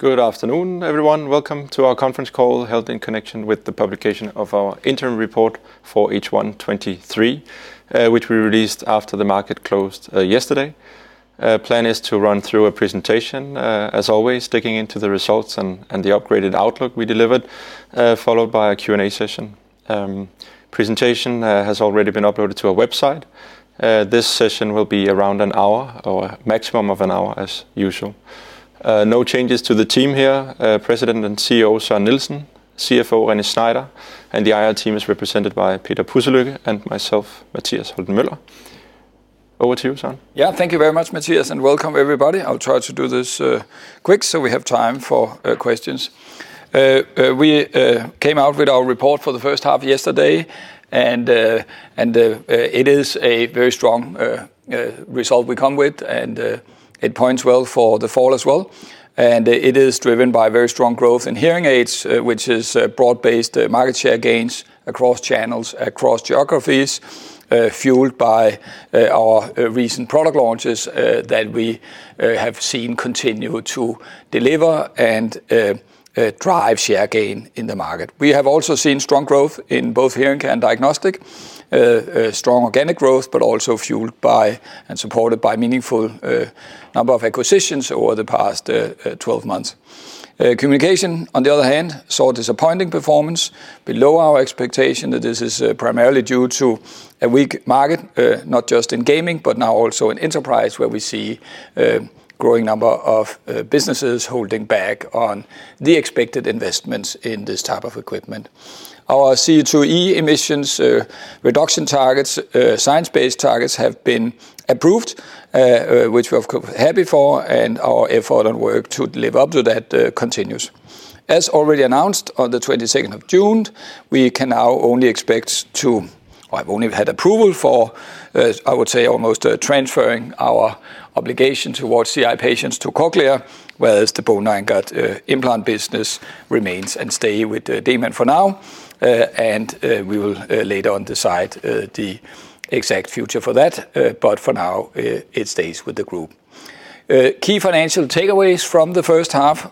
Good afternoon, everyone. Welcome to our conference call, held in connection with the publication of our interim report for H1 '23, which we released after the market closed yesterday. Plan is to run through a presentation, as always, digging into the results and, and the upgraded outlook we delivered, followed by a Q&A session. Presentation has already been uploaded to our website. This session will be around an hour or maximum of an hour as usual. No changes to the team here. President and CEO, Søren Nielsen, CFO, René Schneider, and the IR team is represented by Peter Pudselykke and myself, Mathias Holten Møller. Over to you, Søren. Yeah, thank you very much, Mathias, and welcome, everybody. I'll try to do this quick, so we have time for questions. We came out with our report for the first half yesterday, and it is a very strong result we come with, and it points well for the fall as well. It is driven by very strong growth in hearing aids, which is broad-based market share gains across channels, across geographies, fueled by our recent product launches that we have seen continue to deliver and drive share gain in the market. We have also seen strong growth in both hearing care and diagnostic. Strong organic growth, but also fueled by and supported by meaningful number of acquisitions over the past 12 months. Communication, on the other hand, saw disappointing performance below our expectation, that this is primarily due to a weak market, not just in gaming, but now also in enterprise, where we see a growing number of businesses holding back on the expected investments in this type of equipment. Our CO2e emissions, reduction targets, science-based targets, have been approved, which we've had before, and our effort and work to live up to that continues. As already announced on the 22nd of June, I've only had approval for, I would say, almost transferring our obligation towards CI patients to Cochlear, whereas the Bone-Anchored Implant business remains and stay with the Demant for now, and we will later on decide the exact future for that. For now, it stays with the group. Key financial takeaways from the first half,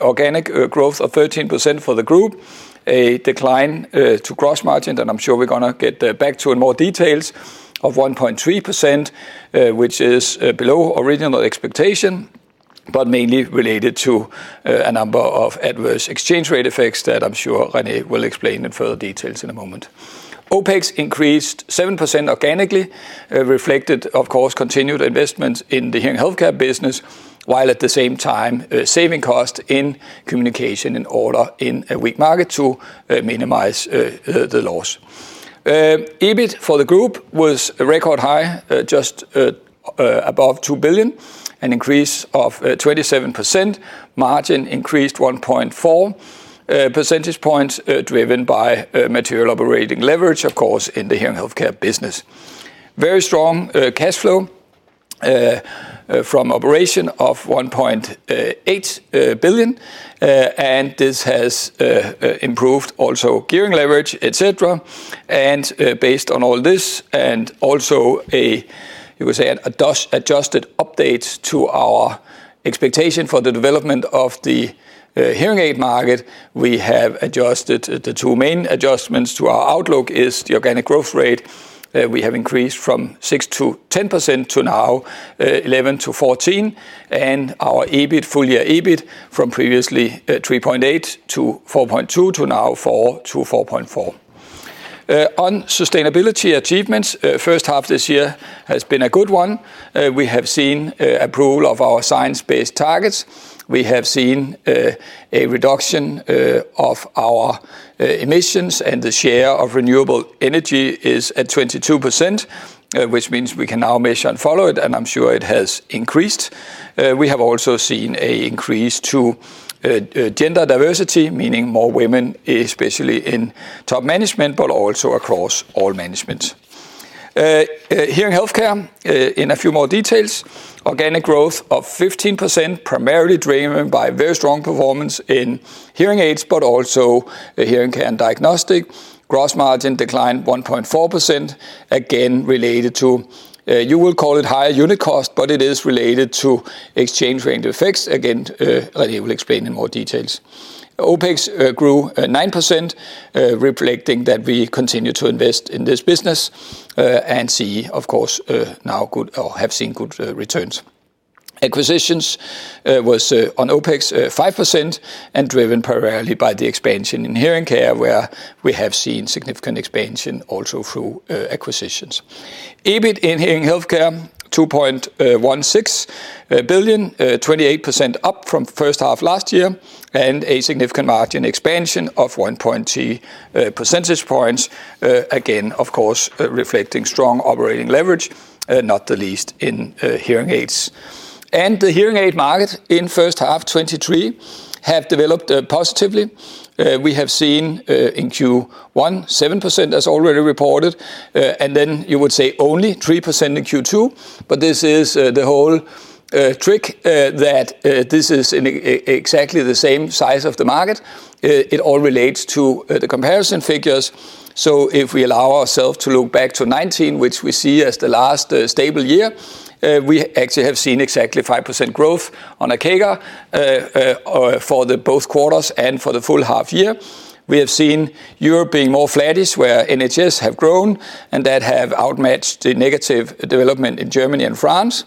organic growth of 13% for the group, a decline to gross margin, that I'm sure we're going to get back to in more details, of 1.3%, which is below original expectation, but mainly related to a number of adverse exchange rate effects that I'm sure René will explain in further details in a moment. OpEx increased 7% organically, reflected, of course, continued investment in the hearing healthcare business, while at the same time, saving cost in communication in order in a weak market to minimize the loss. EBIT for the group was a record high, just above two billion, an increase of 27%. Margin increased 1.4 percentage points, driven by material operating leverage, of course, in the hearing healthcare business. Very strong cash flow from operation of 1.8 billion. This has improved also gearing leverage, et cetera. Based on all this, and also a, you could say, an adjusted update to our expectation for the development of the hearing aid market, we have adjusted. The two main adjustments to our outlook is the organic growth rate, we have increased from 6%-10% to now 11%-14%, and our EBIT, full year EBIT, from previously 3.8 billion-4.2 billion, to now 4 billion-4.4 billion. On sustainability achievements, first half this year has been a good one. We have seen approval of our science-based targets. We have seen a reduction of our emissions, and the share of renewable energy is at 22%, which means we can now measure and follow it, and I'm sure it has increased. We have also seen an increase to gender diversity, meaning more women, especially in top management, but also across all management. Hearing healthcare in a few more details. Organic growth of 15%, primarily driven by very strong performance in hearing aids, but also a hearing care and diagnostic. Gross margin declined 1.4%, again, related to, you will call it higher unit cost, but it is related to exchange rate effects. Again, René will explain in more details. OpEx grew 9%, reflecting that we continue to invest in this business and see, of course, now good or have seen good returns. Acquisitions was on OpEx 5% and driven primarily by the expansion in hearing care, where we have seen significant expansion also through acquisitions. EBIT in hearing healthcare, 2.16 billion, 28% up from first half last year, and a significant margin expansion of 1.2 percentage points. Again, of course, reflecting strong operating leverage, not the least in hearing aids. The hearing aid market in first half 2023 have developed positively. We have seen in Q1, 7% as already reported, and then you would say only 3% in Q2. This is the whole trick that this is exactly the same size of the market. It all relates to the comparison figures. If we allow ourselves to look back to 2019, which we see as the last stable year, we actually have seen exactly 5% growth on a CAGR for the both quarters and for the full half year. We have seen Europe being more flattish, where NHS have grown and that have outmatched the negative development in Germany and France.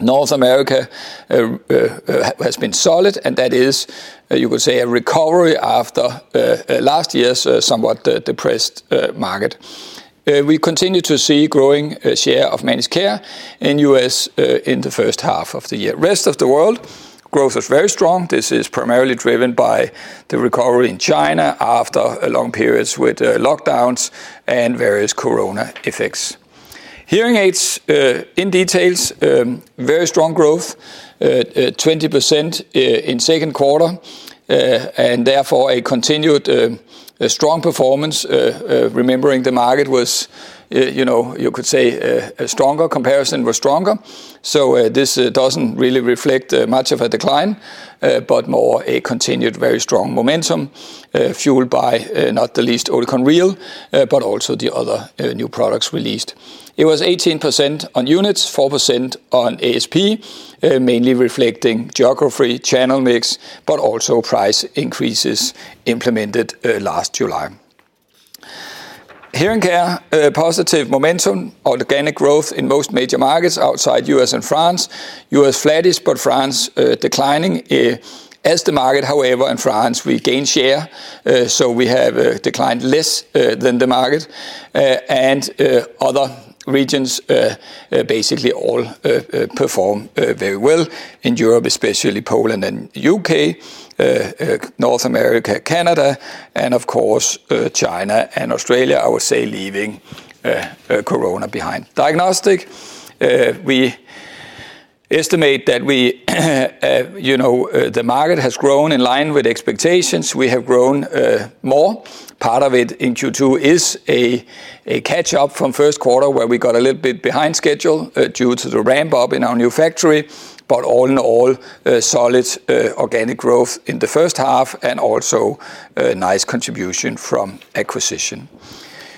North America has been solid, and that is, you could say, a recovery after last year's somewhat depressed market. We continue to see growing share of managed care in US in the first half of the year. Rest of the world, growth is very strong. This is primarily driven by the recovery in China after long periods with lockdowns and various Corona effects. Hearing aids in details, very strong growth, 20% in second quarter, and therefore, a continued strong performance. Remembering the market was, you know, you could say, a stronger comparison was stronger, so this doesn't really reflect much of a decline, but more a continued, very strong momentum, fueled by not the least Oticon Real, but also the other new products released. It was 18% on units, 4% on ASP, mainly reflecting geography, channel mix, but also price increases implemented last July. Hearing care, positive momentum, organic growth in most major markets outside US and France. U.S. flattish, but France declining. As the market, however, in France, we gain share, so we have declined less than the market. Other regions, basically all, perform very well in Europe, especially Poland and U.K., North America, Canada and of course, China and Australia, I would say, leaving Corona behind. Diagnostic, we estimate that we, you know, the market has grown in line with expectations. We have grown more. Part of it in Q2 is a catch-up from first quarter, where we got a little bit behind schedule, due to the ramp-up in our new factory. All in all, a solid organic growth in the first half and also a nice contribution from acquisition.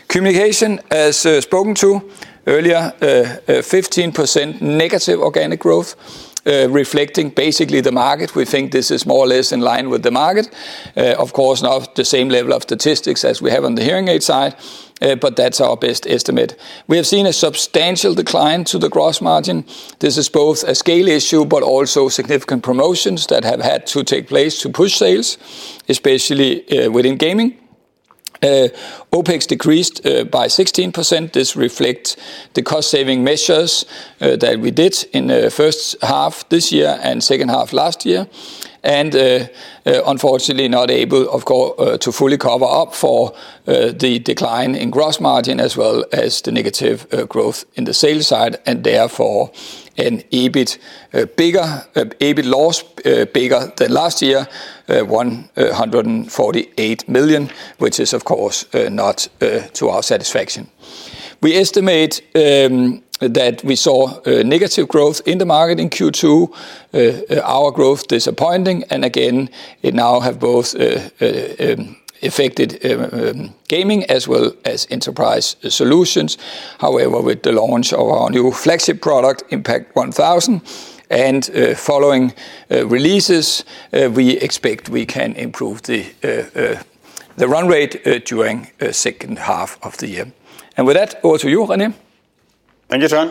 Communication, as spoken to earlier, a 15% negative organic growth, reflecting basically the market. We think this is more or less in line with the market. Of course, not the same level of statistics as we have on the hearing aid side, but that's our best estimate. We have seen a substantial decline to the gross margin. This is both a scale issue, but also significant promotions that have had to take place to push sales, especially within gaming. OpEx decreased by 16%. This reflect the cost-saving measures that we did in the first half this year and second half last year, and unfortunately, not able, of course, to fully cover up for the decline in gross margin, as well as the negative growth in the sales side, and therefore, an EBIT bigger EBIT loss than last year, 148 million, which is, of course, not to our satisfaction. We estimate that we saw negative growth in the market in Q2. Our growth disappointing, and again, it now have both affected gaming as well as enterprise solutions. With the launch of our new flagship product, EPOS IMPACT 1000, and following releases, we expect we can improve the run rate during second half of the year. With that, over to you, René. Thank you, Søren.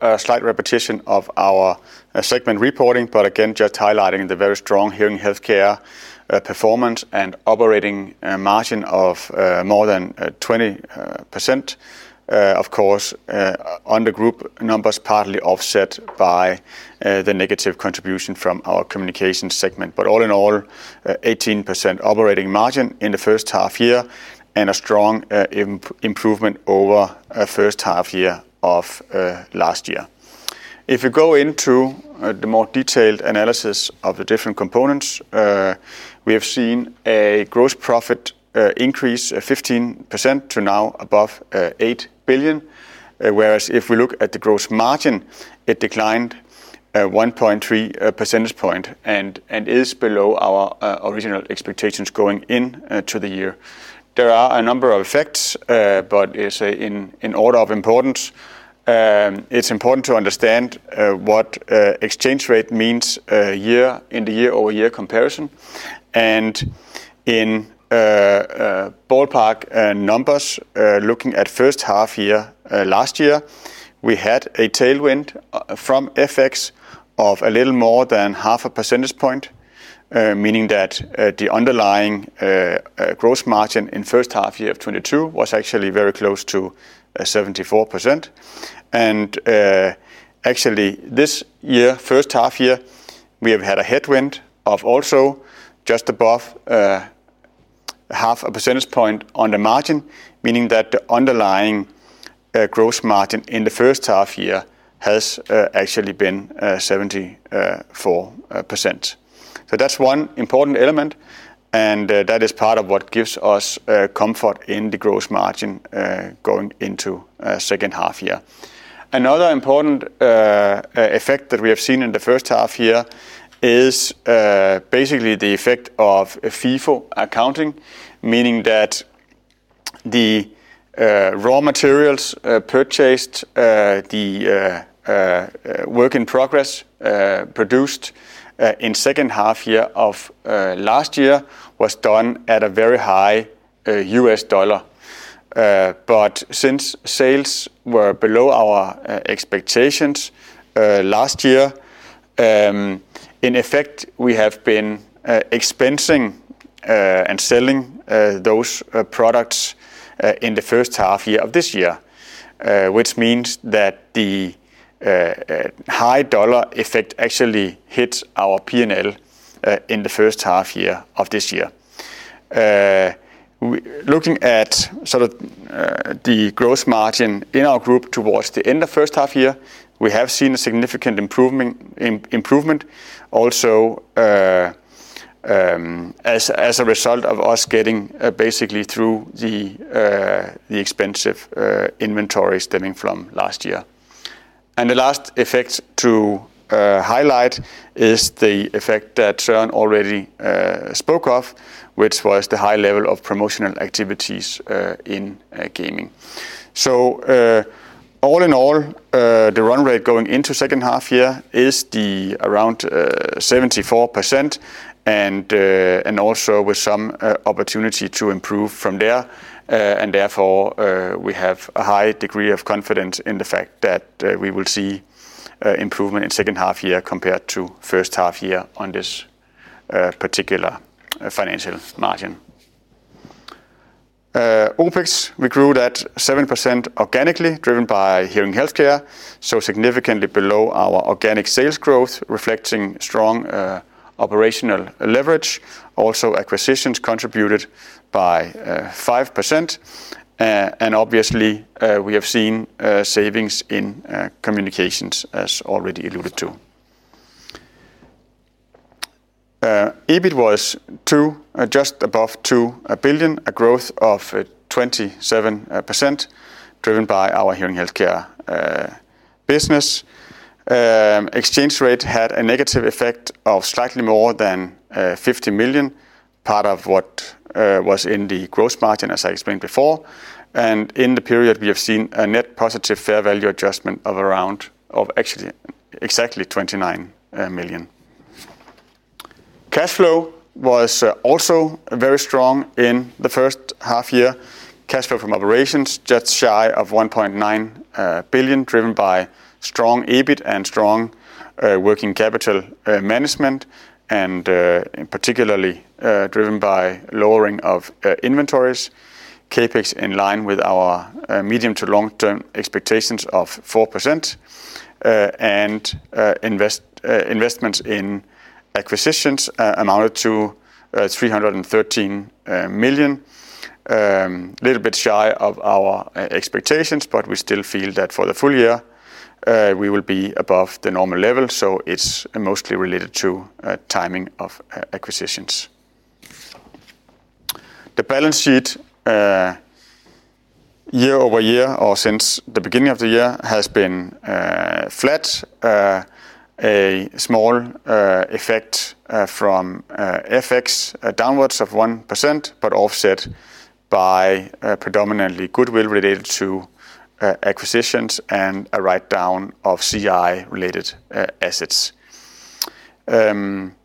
A slight repetition of our segment reporting, but again, just highlighting the very strong hearing healthcare performance and operating margin of more than 20%. Of course, on the group numbers, partly offset by the negative contribution from our communication segment. All in all, 18% operating margin in the first half year and a strong improvement over first half year of last year. If you go into the more detailed analysis of the different components, we have seen a gross profit increase of 15% to now above 8 billion. Whereas if we look at the gross margin, it declined 1.3 percentage point, and is below our original expectations going in to the year. There are a number of effects, but as in order of importance, it's important to understand what exchange rate means year, in the year-over-year comparison. In ballpark numbers, looking at first half year last year, we had a tailwind from FX of a little more than 0.5 percentage point, meaning that the underlying gross margin in first half year of 2022 was actually very close to 74%. Actually, this year, first half year, we have had a headwind of also just above 0.5 percentage point on the margin, meaning that the underlying gross margin in the first half year has actually been 74%. That's one important element, and that is part of what gives us comfort in the gross margin going into second half year. Another important effect that we have seen in the first half year is basically the effect of FIFO accounting, meaning that the raw materials purchased, the work in progress produced in second half year of last year, was done at a very high US dollar. But since sales were below our expectations last year, in effect, we have been expensing and selling those products in the first half year of this year. Which means that the high dollar effect actually hits our P&L in the first half year of this year. Looking at sort of the growth margin in our group towards the end of first half year, we have seen a significant improvement, improvement also as a result of us getting basically through the expensive inventory stemming from last year. The last effect to highlight is the effect that Søren Nielsen already spoke of, which was the high level of promotional activities in gaming. All in all, the run rate going into second half year is the around 74%, and also with some opportunity to improve from there. Therefore, we have a high degree of confidence in the fact that we will see improvement in second half year compared to first half year on this particular financial margin. OpEx, we grew that 7% organically, driven by hearing healthcare, so significantly below our organic sales growth, reflecting strong operational leverage. Also, acquisitions contributed by 5%. Obviously, we have seen savings in communications, as already alluded to. EBIT was just above two billion, a growth of 27%, driven by our hearing healthcare business. Exchange rate had a negative effect of slightly more than 50 million, part of what was in the gross margin, as I explained before. In the period, we have seen a net positive fair value adjustment of actually, exactly 29 million. Cash flow was also very strong in the first half year. Cash flow from operations, just shy of 1.9 billion, driven by strong EBIT and strong working capital management, and particularly driven by lowering of inventories. CapEx in line with our medium to long-term expectations of 4%, and investments in acquisitions amounted to 313 million. A little bit shy of our expectations, but we still feel that for the full year, we will be above the normal level, so it's mostly related to timing of acquisitions. The balance sheet year-over-year or since the beginning of the year, has been flat. A small effect from FX downwards of 1%, but offset by predominantly goodwill related to acquisitions and a write-down of CI-related assets. End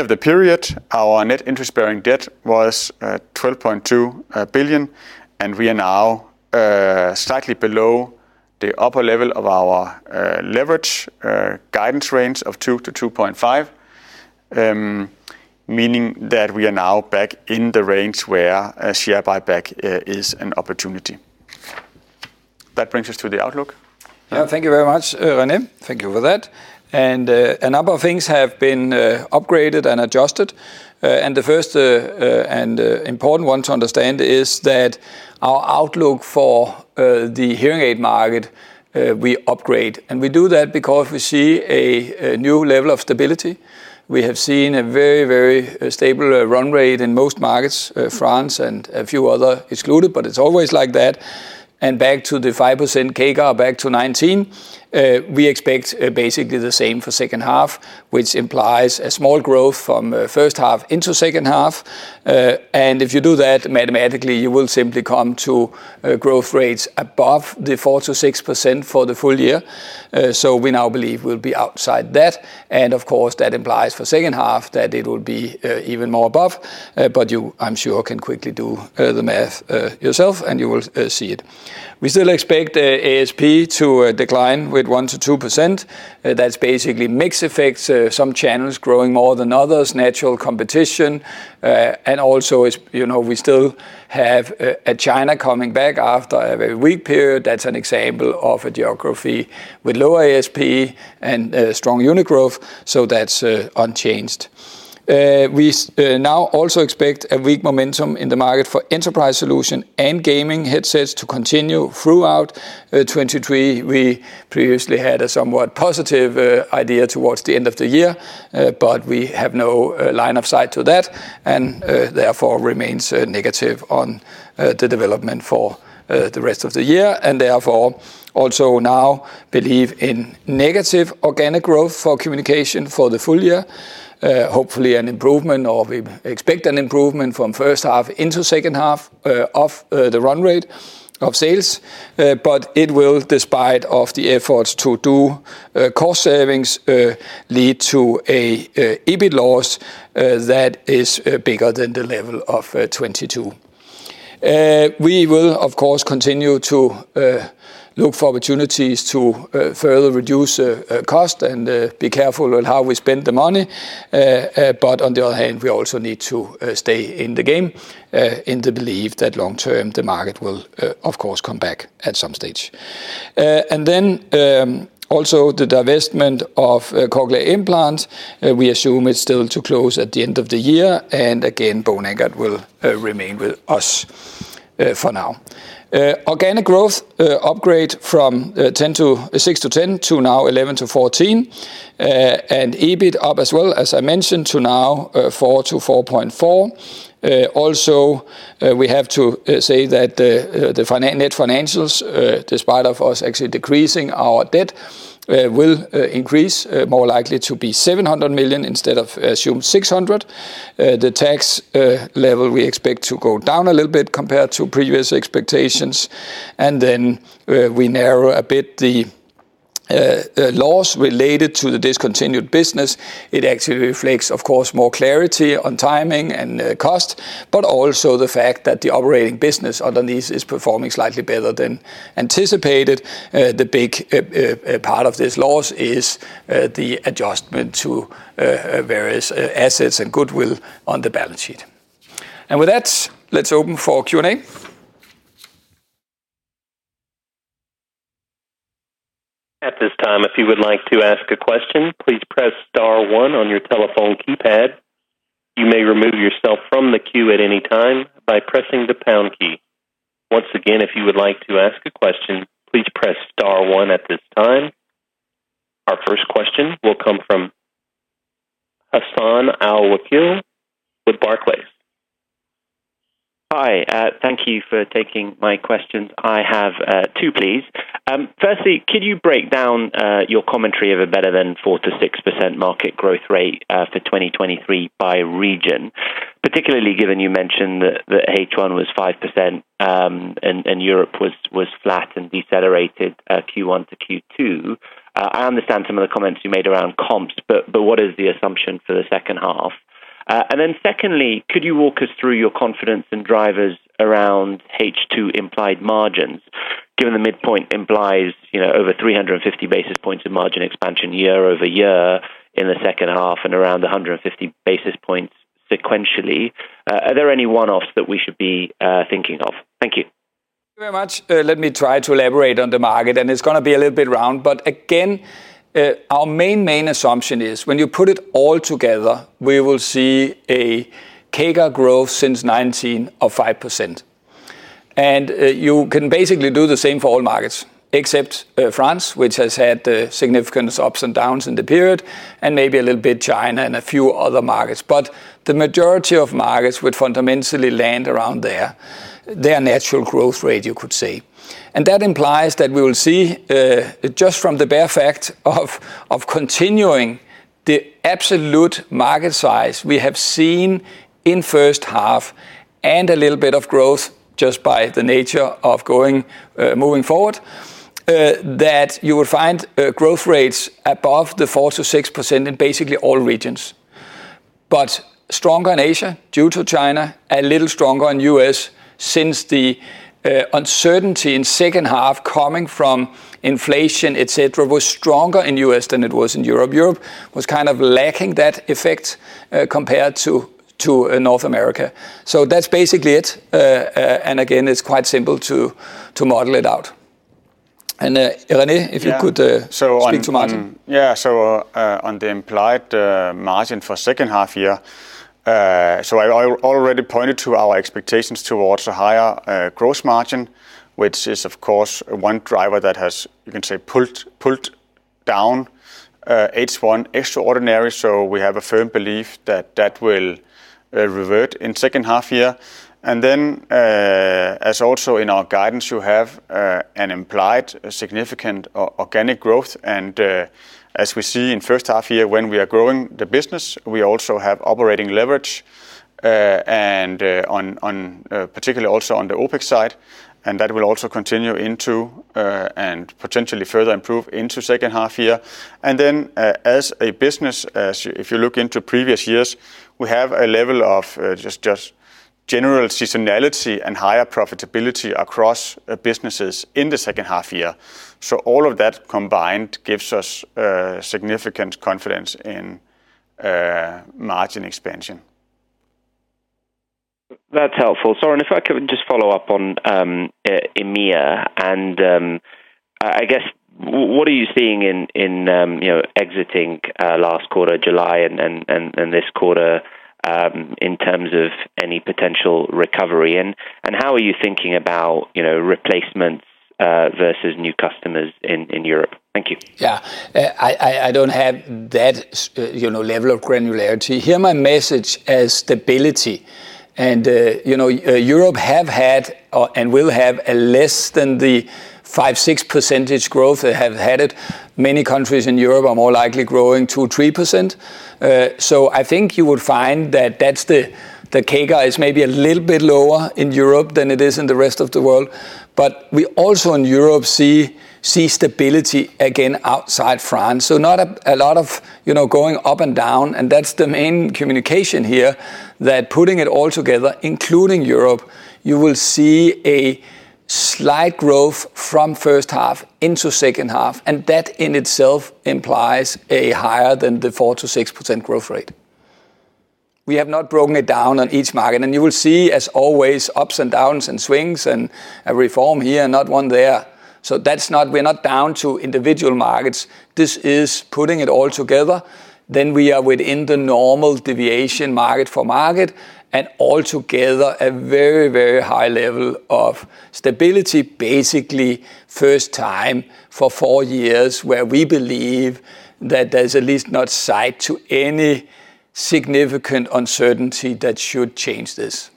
of the period, our net interest-bearing debt was 12.2 billion, and we are now slightly below the upper level of our leverage guidance range of 2-2.5, meaning that we are now back in the range where a share buyback is an opportunity. That brings us to the outlook. Yeah, thank you very much, René. Thank you for that. A number of things have been upgraded and adjusted. The first, important one to understand is that our outlook for the hearing aid market, we upgrade, and we do that because we see a new level of stability. We have seen a very, very stable run rate in most markets, France and a few other excluded, but it's always like that. Back to the 5% CAGR, back to 19, we expect basically the same for second half, which implies a small growth from first half into second half. If you do that, mathematically, you will simply come to growth rates above the 4%-6% for the full year. We now believe we'll be outside that, and of course, that implies for second half that it will be even more above. You, I'm sure, can quickly do the math yourself, and you will see it. We still expect ASP to decline with 1%-2%. That's basically mix effects, some channels growing more than others, natural competition, and also as you know, we still have a China coming back after a very weak period. That's an example of a geography with lower ASP and strong unit growth, so that's unchanged. We now also expect a weak momentum in the market for enterprise solution and gaming headsets to continue throughout 2023. We previously had a somewhat positive idea towards the end of the year, but we have no line of sight to that, and therefore, remains negative on the development for the rest of the year. Therefore, also now believe in negative organic growth for communication for the full year. Hopefully, an improvement, or we expect an improvement from first half into second half of the run rate of sales, but it will, despite of the efforts to do cost savings, lead to an EBIT loss that is bigger than the level of 2022. We will, of course, continue to look for opportunities to further reduce cost and be careful on how we spend the money. On the other hand, we also need to stay in the game, in the belief that long-term, the market will, of course, come back at some stage. Then, also the divestment of cochlear implant, we assume it's still to close at the end of the year, and again, Bone Anchored will remain with us for now. Organic growth, upgrade from 6-10, to now 11-14, and EBIT up as well, as I mentioned, to now 4-4.4. Also, we have to say that the net financials, despite of us actually decreasing our debt, will increase, more likely to be $700 million instead of assumed $600 million. expect to go down a little bit compared to previous expectations, and then we narrow a bit the loss related to the discontinued business. It actually reflects, of course, more clarity on timing and cost, but also the fact that the operating business underneath is performing slightly better than anticipated. The big part of this loss is the adjustment to various assets and goodwill on the balance sheet. And with that, let's open for Q&A At this time, if you would like to ask a question, please press star one on your telephone keypad. You may remove yourself from the queue at any time by pressing the pound key. Once again, if you would like to ask a question, please press star one at this time. Our first question will come from Hassan Al-Wakeel with Barclays. Hi, thank you for taking my questions. I have two, please. Firstly, could you break down your commentary of a better than 4%-6% market growth rate for 2023 by region? Particularly given you mentioned that H1 was 5%, and Europe was flat and decelerated Q1 to Q2. I understand some of the comments you made around comps, but what is the assumption for the second half? Secondly, could you walk us through your confidence and drivers around H2 implied margins, given the midpoint implies, you know, over 350 basis points of margin expansion year-over-year in the second half and around 150 basis points sequentially. Are there any one-offs that we should be thinking of? Thank you. Thank you very much. Let me try to elaborate on the market, and it's gonna be a little bit round, but again, our main, main assumption is when you put it all together, we will see a CAGR growth since 19 of 5%. You can basically do the same for all markets, except France, which has had significant ups and downs in the period, and maybe a little bit China and a few other markets. The majority of markets would fundamentally land around their, their natural growth rate, you could say. That implies that we will see, just from the bare fact of continuing the absolute market size we have seen in first half, and a little bit of growth just by the nature of going, moving forward, that you will find growth rates above the 4% to 6% in basically all regions. Stronger in Asia due to China, a little stronger in US, since the uncertainty in second half coming from inflation, et cetera, was stronger in US than it was in Europe. Europe was kind of lacking that effect compared to North America. That's basically it. Again, it's quite simple to model it out. Rene, if you could. Yeah speak to margin. On the implied margin for second half year, I already pointed to our expectations towards a higher gross margin, which is, of course, one driver that has, you can say, pulled, pulled down H1 extraordinary, we have a firm belief that that will revert in second half year. As also in our guidance, you have an implied significant organic growth, and as we see in first half year, when we are growing the business, we also have operating leverage, and on particularly also on the OpEx side, and that will also continue into and potentially further improve into second half year. As a business, if you look into previous years, we have a level of just, just general seasonality and higher profitability across businesses in the second half year. All of that combined gives us significant confidence in margin expansion. That's helpful. Sorry, and if I could just follow up on, EMEA, and, I, I guess, what are you seeing in, in, you know, exiting, last quarter, July, and, and, and, and this quarter, in terms of any potential recovery? How are you thinking about, you know, replacements, versus new customers in, in Europe? Thank you. Yeah. I, I, I don't have that, you know, level of granularity. Here, my message is stability, you know, Europe have had and will have a less than the 5, 6% growth they have had it. Many countries in Europe are more likely growing 2, 3%. I think you will find that that's the cake guy is maybe a little bit lower in Europe than it is in the rest of the world. We also, in Europe, see stability again outside France. Not a lot of, you know, going up and down, that's the main communication here, that putting it all together, including Europe, you will see a slight growth from first half into second half, that in itself implies a higher than the 4-6% growth rate. We have not broken it down on each market, and you will see, as always, ups and downs and swings and a reform here and not one there. That's not- we're not down to individual markets. This is putting it all together. We are within the normal deviation market for market, and altogether, a very, very high level of stability, basically first time for four years, where we believe that there's at least not sight to any significant uncertainty that should change this.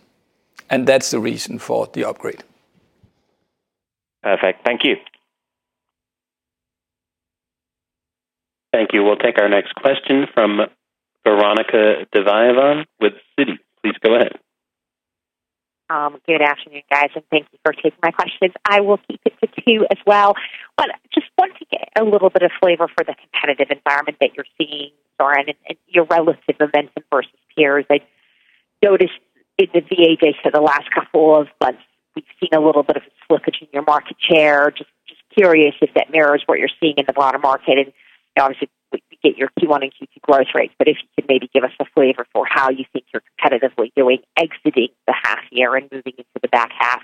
That's the reason for the upgrade. Perfect. Thank you. Thank you. We'll take our next question from Veronika Dubajova Citi. Please go ahead. Good afternoon, guys, and thank you for taking my questions. I will keep it to two as well. Just want to get a little bit of flavor for the competitive environment that you're seeing, Søren, and, and your relative events versus peers. I noticed in the VA for the last couple of months, we've seen a little bit of a slippage in your market share. Just curious if that mirrors what you're seeing in the broader market, and obviously, we get your Q1 and Q2 growth rates, but if you could maybe give us a flavor for how you think you're competitively doing exiting the half year and moving into the back half,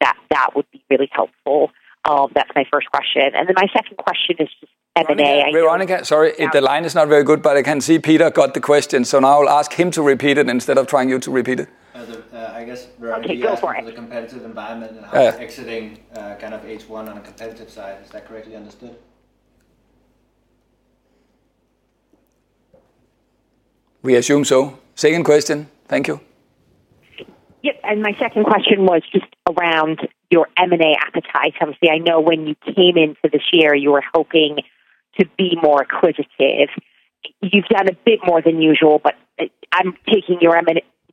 that, that would be really helpful. That's my first question. Then my second question is just M&A. Veronica, sorry, if the line is not very good, but I can see Peter got the question, so now I'll ask him to repeat it instead of trying you to repeat it. I guess, Veronika- Okay, go for it. The competitive environment and how exiting, kind of H1 on a competitive side. Is that correctly understood? We assume so. Second question. Thank you. Yep, my second question was just around your M&A appetite. Obviously, I know when you came in for this year, you were hoping to be more acquisitive. You've done a bit more than usual, but I'm taking your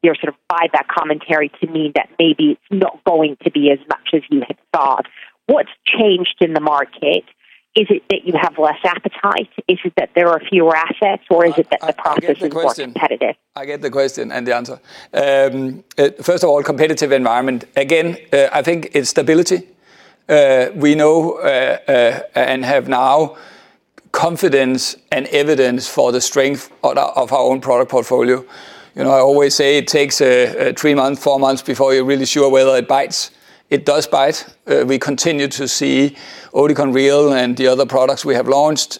sort of buyback commentary to mean that maybe it's not going to be as much as you had thought. What's changed in the market? Is it that you have less appetite? Is it that there are fewer assets, or is it that the process is more competitive?, and the answer. First of all, competitive environment. Again, I think it's stability. We know and have now confidence and evidence for the strength of our own product portfolio. You know, I always say it takes three months, four months before you're really sure whether it bites. It does bite. We continue to continue Oticon Real and the other products we have launched,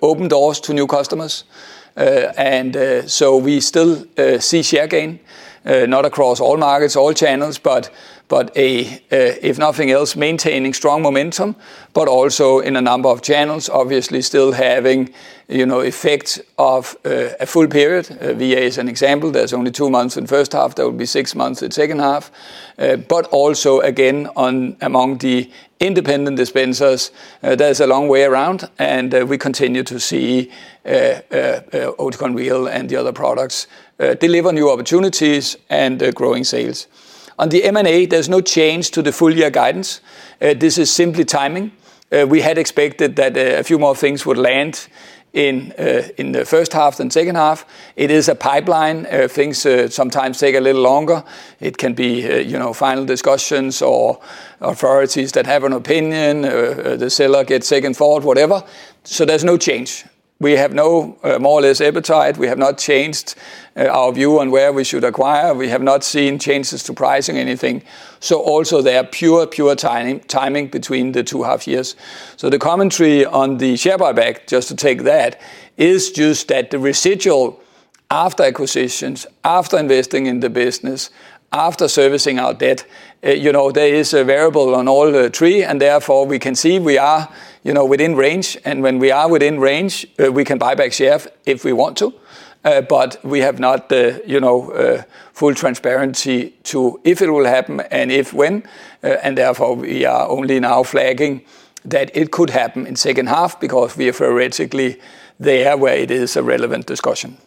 open doors to new customers. So we still see share gain, not across all markets, all channels, but if nothing else, maintaining strong momentum, but also in a number of channels, obviously still having, you know, effect of a full period. VA is an example. There's only two months in first half, there will be six months in second half Also again, on among the independent dispensers, there's a long way around, and we continue to see Oticon Real and the other products deliver new opportunities and growing sales. On the M&A, there's no change to the full year guidance. This is simply timing. We had expected that a few more things would land in the first half than second half. It is a pipeline. Things sometimes take a little longer. It can be, you know, final discussions or authorities that have an opinion, the seller gets second thought, whatever. There's no change. We have no more or less appetite. We have not changed our view on where we should acquire. We have not seen changes to pricing anything. Also, they are pure, pure timing, timing between the two half years. The commentary on the share buyback, just to take that, is just that the residual after acquisitions, after investing in the business, after servicing our debt, you know, there is a variable on all the three, and therefore, we can see we are, you know, within range. When we are within range, we can buy back share if we want to. We have not the, you know, full transparency to if it will happen and if when, and therefore, we are only now flagging that it could happen in second half because we are theoretically there, where it is a relevant discussion.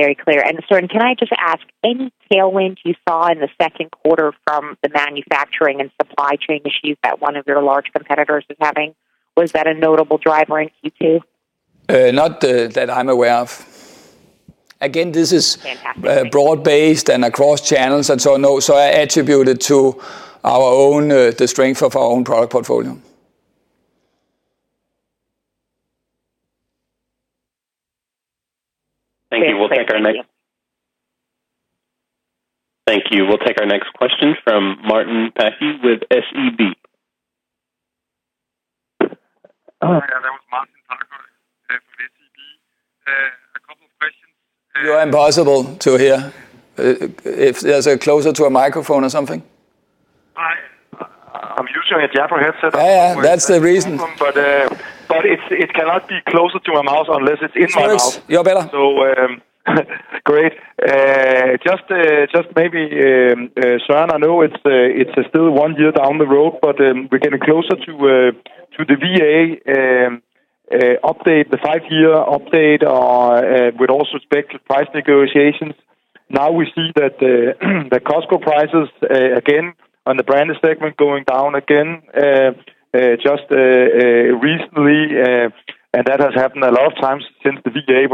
Very clear. Søren, can I just ask, any tailwind you saw in the second quarter from the manufacturing and supply chain issues that one of your large competitors is having? Was that a notable driver in Q2? Not that I'm aware of. Again, this is... Fantastic. broad-based and across channels, and so no. I attribute it to our own, the strength of our own product portfolio. Thank you. We'll take our next- Thank you. Thank you. We'll take our next question from Martin Parkhøi with SEB. Hi, there, with Martin Parkhøi, with SEB. A couple of questions. You are impossible to hear. If there's a closer to a microphone or something? I'm usually a Jabra headset. Oh, yeah, that's the reason. It, it cannot be closer to my mouth unless it's in my mouth. Yes, you're better. Great. Just, just maybe, Søren, I know it's, it's still one year down the road, but we're getting closer to... to the VA update, the five-year update with also respect to price negotiations. Now we see that the Costco prices again, on the branded segment, going down again just recently, and that has happened a lot of times since the VA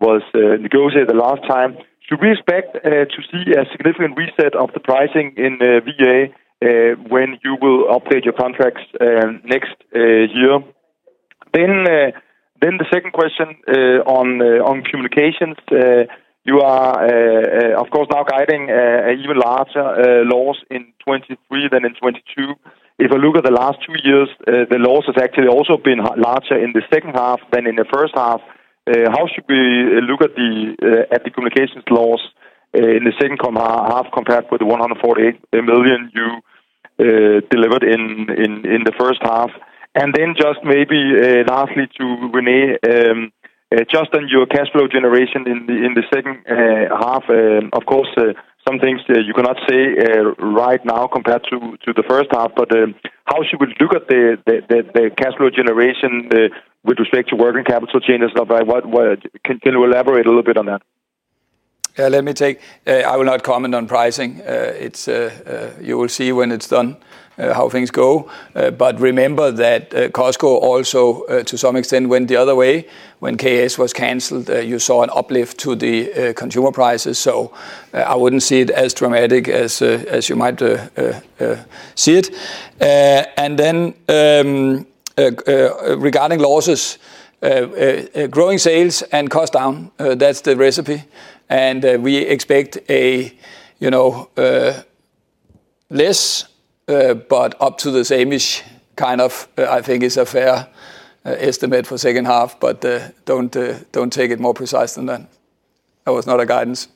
was negotiated the last time. Should we expect to see a significant reset of the pricing in the VA when you will update your contracts next year? The second question on communications. You are of course now guiding an even larger loss in 2023 than in 2022. If I look at the last two years, the loss has actually also been larger in the second half than in the first half. how should we look at the at the communications loss in the second half, compared with the $148 million you delivered in, in, in the first half? Then just maybe lastly, to René, just on your cash flow generation in the in the second half. Of course, some things you cannot say right now compared to, to the first half, but how should we look at the the the the cash flow generation with respect to working capital changes? Like, you elaborate a little bit on that? Let me take, I will not comment on pricing. It's, you will see when it's done, how things go. Remember that Costco also, to some extent, went the other way. When KS was canceled, you saw an uplift to the consumer prices, so I wouldn't see it as dramatic as as you might see it. Then, regarding losses, growing sales and cost down, that's the recipe. We expect a, you know, less, but up to the same-ish, kind of, I think is a fair, estimate for second half, but, don't, don't take it more precise than that. That was not a guidance.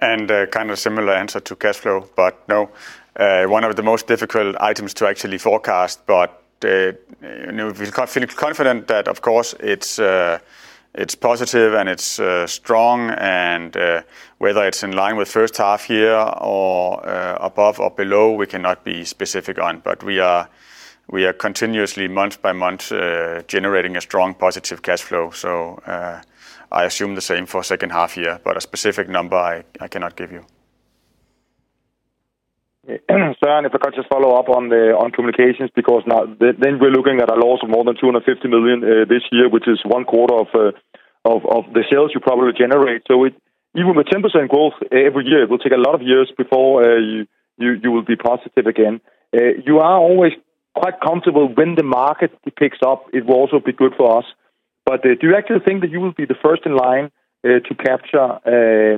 A kind of similar answer to cash flow, but no, one of the most difficult items to actually forecast. You know, we feel, feeling confident that, of course, it's, it's positive and it's strong, and whether it's in line with first half year or above or below, we cannot be specific on. We are, we are continuously, month by month, generating a strong positive cash flow, so I assume the same for second half year, but a specific number, I, I cannot give you. If I could just follow up on the, on communications, because now then, then we're looking at a loss of more than 250 million this year, which is one quarter of the sales you probably generate. Even with 10% growth every year, it will take a lot of years before you will be positive again. You are always quite comfortable when the market picks up, it will also be good for us. Do you actually think that you will be the first in line to capture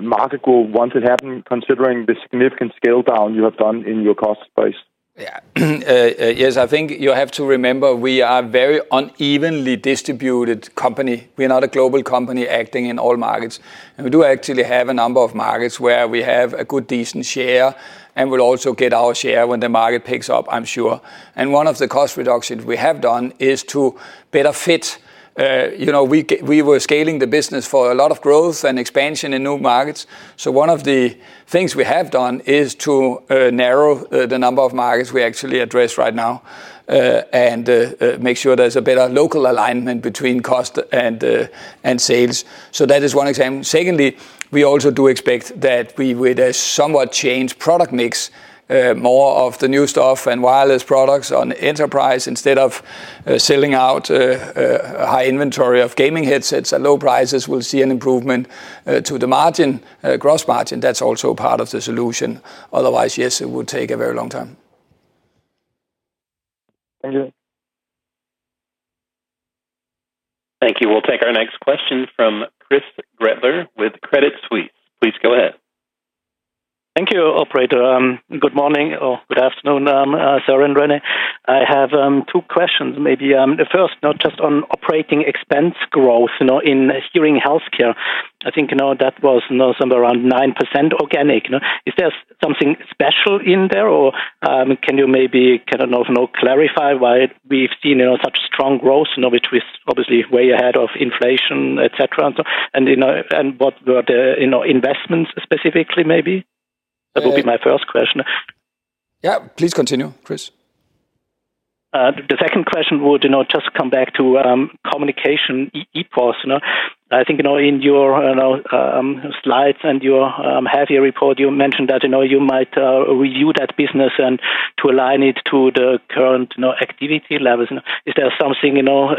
market growth once it happen, considering the significant scale-down you have done in your cost base? Yeah. Yes, I think you have to remember, we are very unevenly distributed company. We are not a global company acting in all markets. We do actually have a number of markets where we have a good, decent share, and we'll also get our share when the market picks up, I'm sure. One of the cost reductions we have done is to better fit. You know, we were scaling the business for a lot of growth and expansion in new markets, so one of the things we have done is to narrow the number of markets we actually address right now, and make sure there's a better local alignment between cost and sales. That is one example. Secondly, we also do expect that we, with a somewhat changed product mix, more of the new stuff and wireless products on enterprise, instead of selling out high inventory of gaming headsets at low prices, we'll see an improvement to the margin, gross margin. That's also part of the solution. Otherwise, yes, it would take a very long time. Thank you. Thank you. We'll take our next question from Christoph Gretler with Credit Suisse. Please go ahead. Thank you, operator. Good morning or good afternoon, Søren and René. I have two questions. Maybe, the first, not just on operating expense growth, you know, in hearing healthcare. I think, you know, that was, you know, somewhere around 9% organic, you know? Is there something special in there, or, can you maybe, kind of, you know, clarify why we've seen, you know, such strong growth, you know, which is obviously way ahead of inflation, et cetera, and so... You know, and what were the, you know, investments specifically, maybe? Yeah. That would be my first question. Yeah, please continue, Chris. The second question would, you know, just come back to communication, EPOS, you know? I think, you know, in your slides and your half-year report, you mentioned that, you know, you might review that business and to align it to the current, you know, activity levels, you know. Is there something, you know,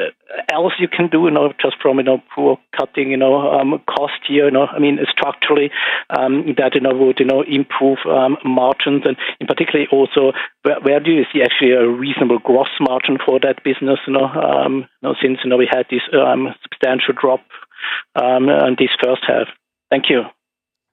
else you can do, you know, just from, you know, poor cutting, you know, cost here, you know, I mean, structurally, that, you know, would, you know, improve margins? In particular also, where, where do you see actually a reasonable gross margin for that business, you know, since, you know, we had this substantial drop on this first half? Thank you.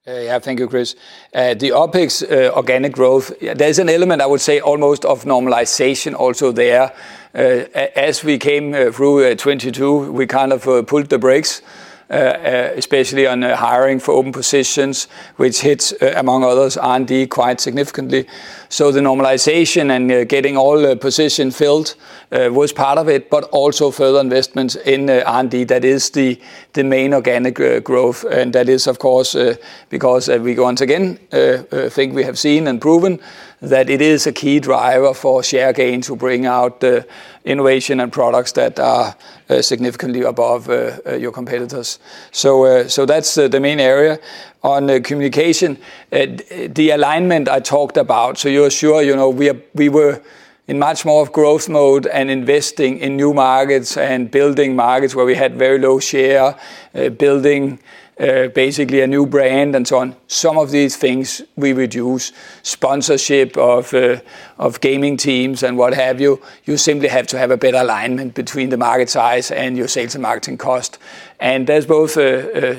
Yeah, thank you, Chris. The OpEx organic growth, there's an element, I would say, almost of normalization also there. As we came through 2022, we kind of pulled the brakes especially on the hiring for open positions, which hits, among others, R&D quite significantly. The normalization and getting all the position filled was part of it, but also further investments in the R&D. That is the, the main organic growth, and that is, of course, because we once again think we have seen and proven that it is a key driver for share gain to bring out the innovation and products that are significantly above your competitors. That's the, the main area. On the communication, the alignment I talked about, so you're sure, you know, we were in much more of growth mode and investing in new markets and building markets where we had very low share, building, basically a new brand and so on. Some of these things we reduced, sponsorship of, of gaming teams and what have you. You simply have to have a better alignment between the market size and your sales and marketing cost. There's both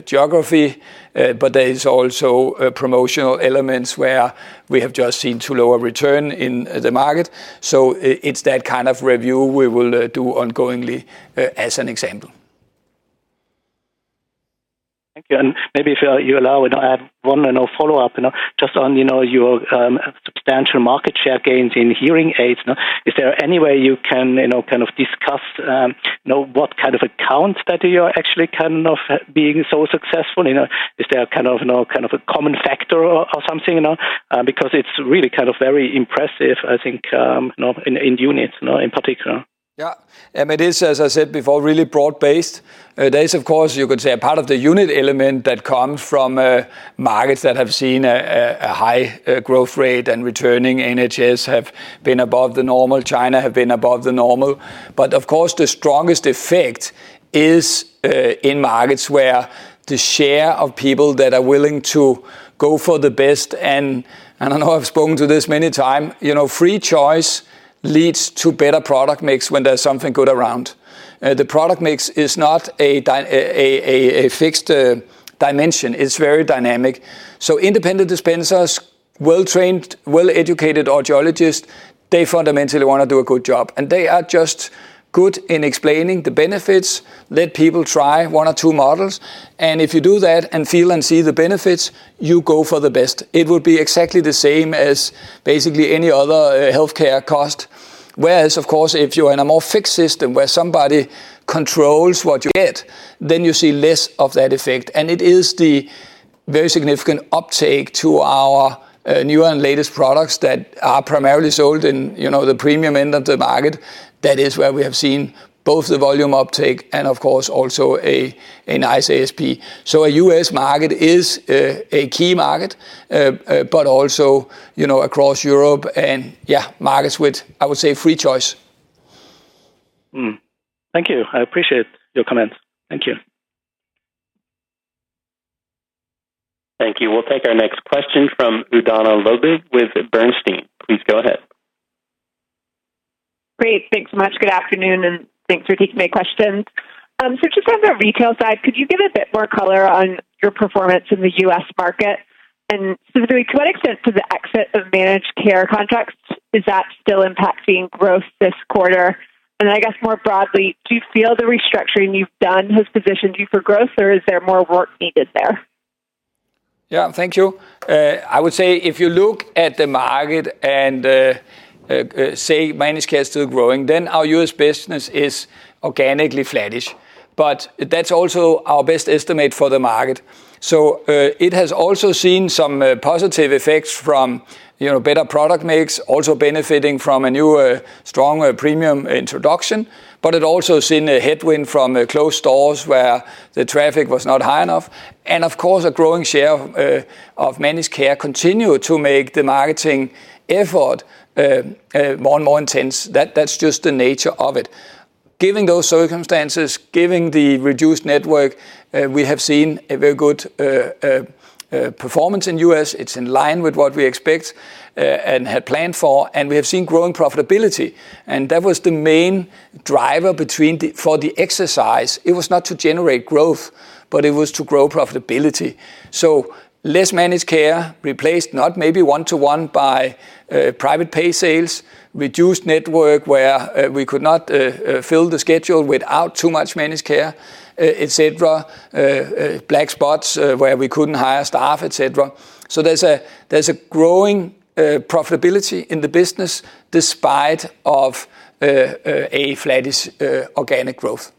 geography, but there is also promotional elements where we have just seen too low a return in the market. It's that kind of review we will do ongoingly, as an example. Thank you, and maybe if you allow, I have one, you know, follow-up, you know, just on, you know, your substantial market share gains in hearing aids, now, is there any way you can, you know, kind of discuss, you know, what kind of accounts that you are actually kind of being so successful, you know? Is there a kind of, you know, kind of a common factor or, or something, you know? It's really kind of very impressive, I think, you know, in, in units, you know, in particular. Yeah. It is, as I said before, really broad-based. There is, of course, you could say a part of the unit element that comes from markets that have seen a high growth rate and returning. NHS have been above the normal, China have been above the normal. Of course, the strongest effect is in markets where the share of people that are willing to go for the best, and I know I've spoken to this many time, you know, free choice leads to better product mix when there's something good around. The product mix is not a dy-- a fixed dimension. It's very dynamic. Independent dispensers, well-trained, well-educated audiologists, they fundamentally want to do a good job, and they are just good in explaining the benefits, let people try one or two models, and if you do that and feel and see the benefits, you go for the best. It would be exactly the same as basically any other healthcare cost. Of course, if you're in a more fixed system where somebody controls what you get, then you see less of that effect. It is the very significant uptake to our newer and latest products that are primarily sold in, you know, the premium end of the market, that is where we have seen both the volume uptake and, of course, also a nice ASP. A U.S. market is a key market, you know, across Europe and, yeah, markets with, I would say, free choice. Thank you. I appreciate your comments. Thank you. Thank you. We'll take our next question from Susannah Ludwig with Bernstein. Please go ahead. Great. Thanks so much. Good afternoon, thanks for taking my questions. Just on the retail side, could you give a bit more color on your performance in the U.S. market? Specifically, to what extent is the exit of managed care contracts, is that still impacting growth this quarter? I guess more broadly, do you feel the restructuring you've done has positioned you for growth, or is there more work needed there? Yeah. Thank you. I would say if you look at the market and say managed care is still growing, then our US business is organically flattish, but that's also our best estimate for the market. It has also seen some positive effects from, you know, better product mix, also benefiting from a new, stronger premium introduction, but it also seen a headwind from closed stores where the traffic was not high enough. Of course, a growing share of managed care continue to make the marketing effort more and more intense. That, that's just the nature of it. Given those circumstances, given the reduced network, we have seen a very good performance in US. It's in line with what we expect and had planned for, and we have seen growing profitability, and that was the main driver. For the exercise, it was not to generate growth, but it was to grow profitability. Less managed care, replaced, not maybe one to one, by private pay sales, reduced network where we could not fill the schedule without too much managed care, et cetera, black spots where we couldn't hire staff, et cetera. There's a, there's a growing profitability in the business despite of a flattish organic growth.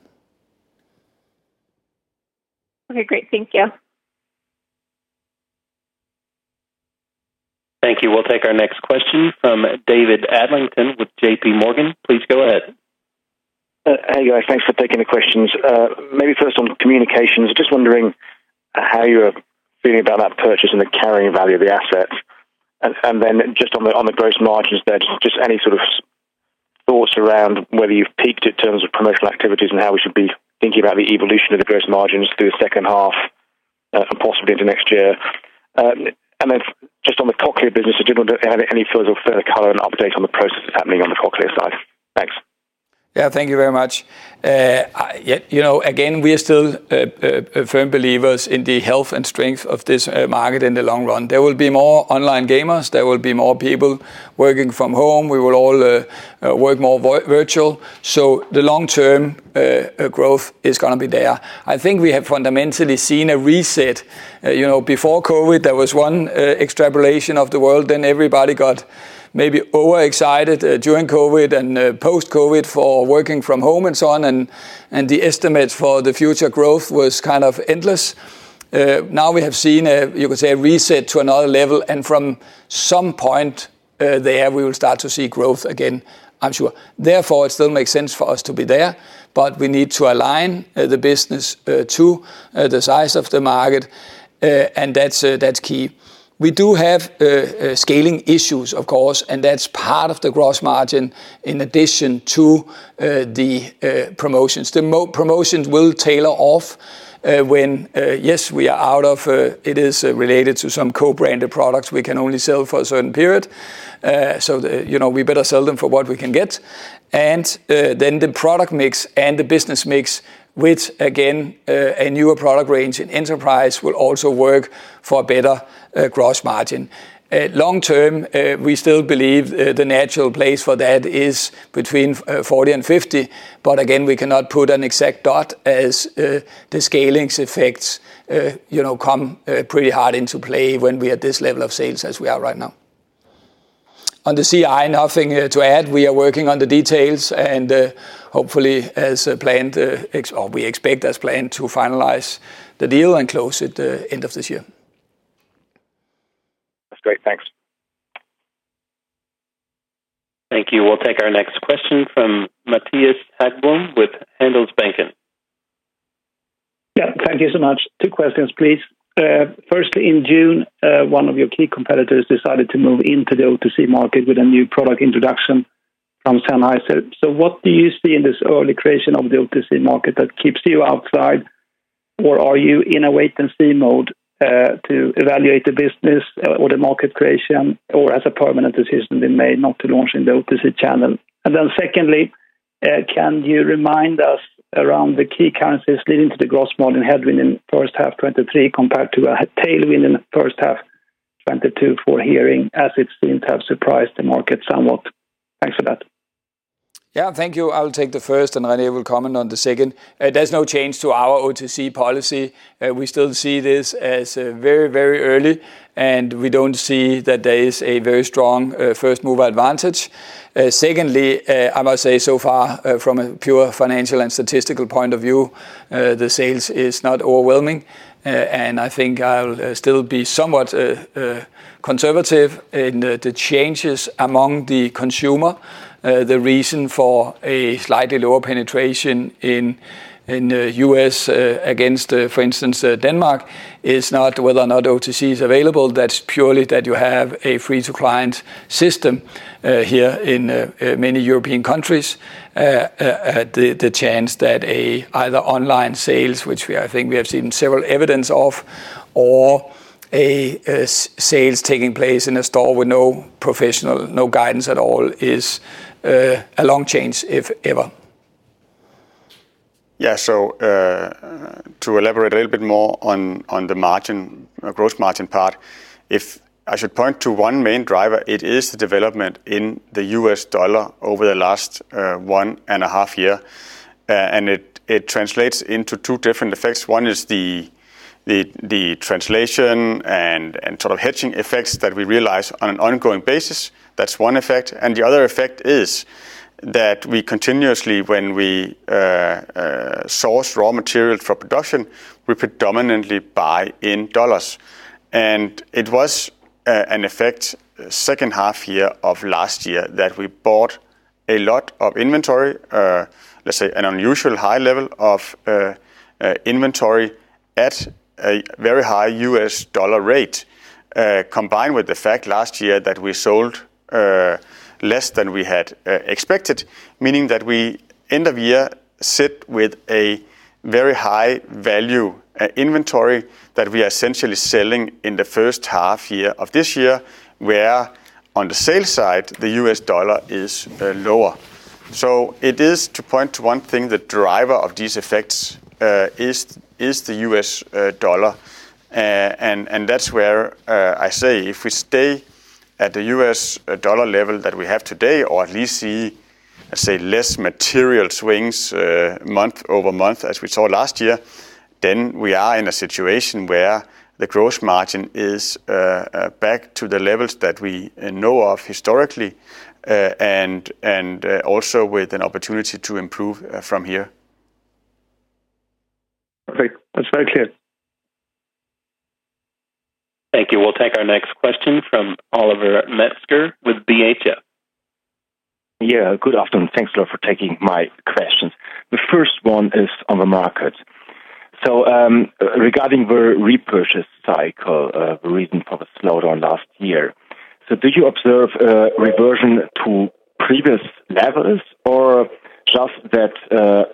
Okay, great. Thank you. Thank you. We'll take our next question from David Adlington with J.P. Morgan. Please go ahead. Hey, guys. Thanks for taking the questions. Maybe first on communications, just wondering how you're feeling about that purchase and the carrying value of the assets. Then just on the gross margins there, just any sort of thoughts around whether you've peaked in terms of promotional activities and how we should be thinking about the evolution of the gross margins through the second half and possibly into next year? Then just on the Cochlear business, I did wonder, any further color and update on the processes happening on the Cochlear side? Yeah, thank you very much. I, yeah, you know, again, we are still firm believers in the health and strength of this market in the long run. There will be more online gamers. There will be more people working from home. We will all work more virtual. The long-term growth is gonna be there. I think we have fundamentally seen a reset. You know, before COVID, there was one extrapolation of the world, then everybody got maybe overexcited during COVID and post-COVID for working from home and so on, and the estimates for the future growth was kind of endless. Now we have seen a, you could say, a reset to another level, and from some point there, we will start to see growth again, I'm sure. It still makes sense for us to be there, but we need to align the business to the size of the market, and that's that's key. We do have scaling issues, of course, and that's part of the gross margin in addition to the promotions. The promotions will tailor off when, yes, we are out of, it is related to some co-branded products we can only sell for a certain period, so, you know, we better sell them for what we can get. Then the product mix and the business mix, which again, a newer product range in enterprise, will also work for a better gross margin. Long-term, we still believe the natural place for that is between 40 and 50, but again, we cannot put an exact dot as the scalings effects, you know, come pretty hard into play when we're at this level of sales as we are right now. On the CI, nothing to add. We are working on the details, and hopefully, as planned, we expect as planned, to finalize the deal and close at the end of this year. That's great. Thanks. Thank you. We'll take our next question from Mattias Häggblom with Handelsbanken. Yeah, thank you so much. Two questions, please. Firstly, in June, one of your key competitors decided to move into the OTC market with a new product introduction from Sennheiser. What do you see in this early creation of the OTC market that keeps you outside, or are you in a wait-and-see mode to evaluate the business or the market creation, or has a permanent decision been made not to launch in the OTC channel? Then secondly, can you remind us around the key currencies leading to the gross margin headwind in H1 '23, compared to a tailwind in H1 '22 for hearing, as it seemed to have surprised the market somewhat? Thanks for that. Yeah, thank you. I will take the first, and René will comment on the second. There's no change to our OTC policy. We still see this as very, very early, and we don't see that there is a very strong first-mover advantage. Secondly, I must say, so far, from a pure financial and statistical point of view, the sales is not overwhelming, and I think I'll still be somewhat conservative in the changes among the consumer. The reason for a slightly lower penetration in US, against, for instance, Denmark, is not whether or not OTC is available, that's purely that you have a free-to-client system here in many European countries. The chance that either online sales, which we, I think we have seen several evidence of, or sales taking place in a store with no professional, no guidance at all, is a long change, if ever. Yeah. To elaborate a little bit more on, on the margin, gross margin part, if I should point to one main driver, it is the development in the US dollar over the last 1.5 year. It, it translates into two different effects. One is the translation and sort of hedging effects that we realize on an ongoing basis. That's one effect, and the other effect is that we continuously, when we source raw material for production, we predominantly buy in US dollars. It was an effect 2nd half year of last year, that we bought a lot of inventory, let's say an unusual high level of inventory at a very high US dollar rate. Combined with the fact last year that we sold less than we had expected, meaning that we, end of year, sit with a very high value inventory that we are essentially selling in the first half year of this year, where on the sales side, the US dollar is lower. It is, to point to one thing, the driver of these effects is the US dollar. That's where I say, if we stay at the US dollar level that we have today, or at least see, say, less material swings month-over-month, as we saw last year, then we are in a situation where the gross margin is back to the levels that we know of historically, and also with an opportunity to improve from here. Perfect. That's very clear. Thank you. We'll take our next question from Oliver Metzger with BHF. Yeah, good afternoon. Thanks a lot for taking my questions. The first one is on the market. Regarding the repurchase cycle, the reason for the slowdown last year, did you observe a reversion to previous levels, or just that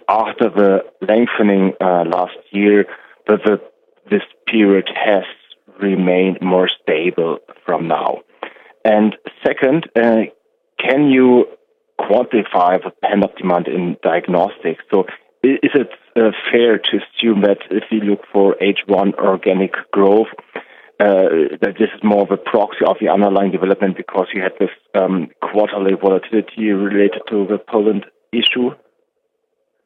after the lengthening last year, this period has remained more stable from now? Second, can you quantify the pent up demand in diagnostics? Is it fair to assume that if you look for H1 organic growth, that this is more of a proxy of the underlying development because you had this quarterly volatility related to the Poland issue?